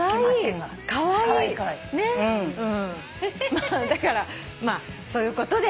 まあだからそういうことで。